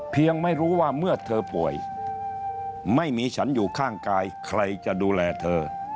ไม่รู้ว่าเมื่อเธอป่วยไม่มีฉันอยู่ข้างกายใครจะดูแลเธอ